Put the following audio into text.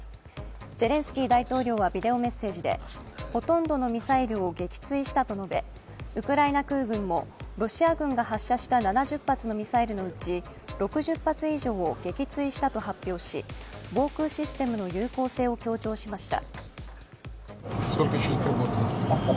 ゼレンスキー大統領はビデオメッセージでほとんどのミサイルを撃墜したと述べ、ウクライナ空軍も、ロシア軍が発射した７０発のミサイルのうち６０発以上を撃墜したと発表し防空システムの有効性を強調しました。